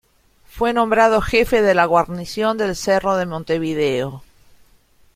Fue nombrado jefe de la guarnición del Cerro de Montevideo.